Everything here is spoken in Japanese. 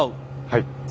はい。